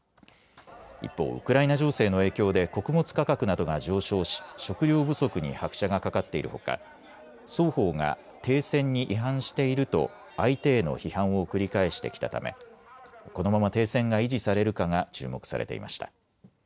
一方、ウクライナ情勢の影響で穀物価格などが上昇し食糧不足に拍車がかかっているほか双方が停戦に違反していると相手への批判を繰り返してきたためこのまま停戦が維持されるかが注目されていました。